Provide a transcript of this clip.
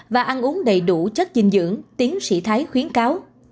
và ăn uống đầy đủ chất dinh dưỡng tiến sĩ thái khuyến cáo